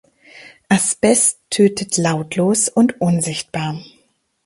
Asbest tötet lautlos und unsichtbar.